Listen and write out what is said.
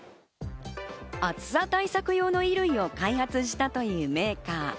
暑さ対策用の衣類を開発したというメーカー。